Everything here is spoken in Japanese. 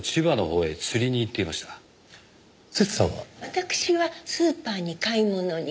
私はスーパーに買い物に。